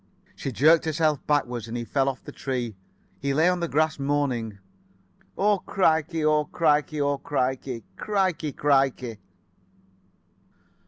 She jerked herself backward, and he fell off the tree. He lay on the grass moaning. "O crikey! O crikey! O crikey, crikey, crikey!"